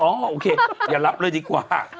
โอเคอย่ารับเลยดีกว่า